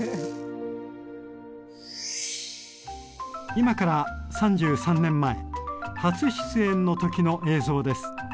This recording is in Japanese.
今から３３年前初出演の時の映像です。